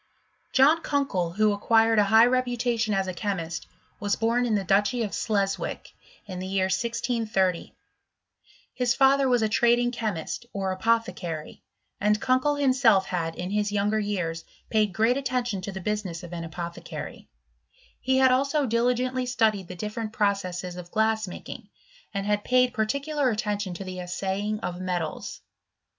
John Kunkel, who acquired a high reputation as a chemist, was born in the Duchy of Sleswick, in ihe year 1 630 ; his father was a trading chemist, or apothe cary ; and Kunkel himself had, in liis younger years, paid great attention to the business of an apothecary : lie had also diligently studied the different processes of glass making; and had paid particular attention to the assaying of metals.